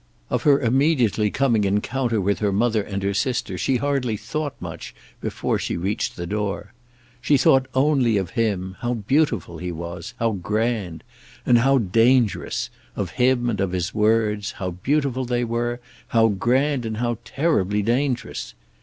Of her immediately coming encounter with her mother and her sister she hardly thought much before she reached the door. She thought only of him, how beautiful he was, how grand, and how dangerous; of him and of his words, how beautiful they were, how grand, and how terribly dangerous!